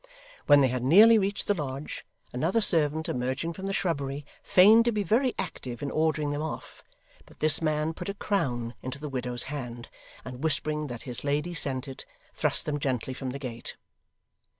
When they had nearly reached the lodge, another servant, emerging from the shrubbery, feigned to be very active in ordering them off, but this man put a crown into the widow's hand, and whispering that his lady sent it, thrust them gently from the gate.